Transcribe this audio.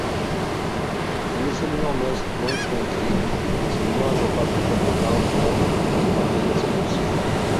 En ese mismo mes, Wes Bentley se unió al reparto interpretando un papel desconocido.